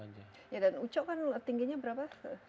ya dan uco kan tingginya berapa